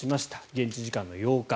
現地時間の８日。